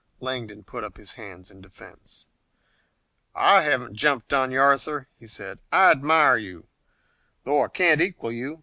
Langdon put up his hands in defense. "I haven't jumped on you, Arthur," he said. "I admire you, though I can't equal you.